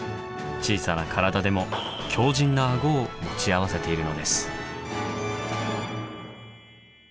小さな体でも強じんなアゴを持ち合わせているのです。